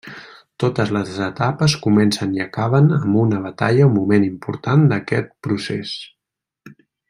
Totes les etapes comencen i acaben amb una batalla o moment important d'aquest procés.